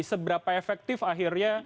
seberapa efektif akhirnya